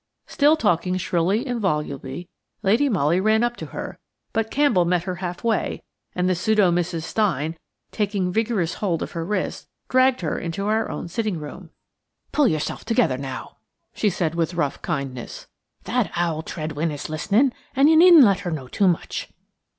Still talking shrilly and volubly, Lady Molly ran up to her, but Campbell met her half way, and the pseudo Mrs. Stein, taking vigorous hold of her wrist, dragged her into our own sitting room. "Pull yourself together, now," she said with rough kindness; "that owl Tredwen is listening, and you needn't let her know too much.